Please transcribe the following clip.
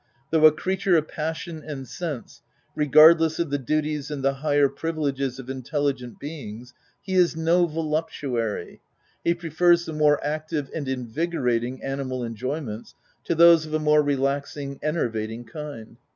— Though a creature of passion and sense, regardless of the duties and the higher privileges of intelligent beings, he is no voluptuary : he prefers the more active and in vigorating animal enjoyments, to those of a more relaxing, enervating kind.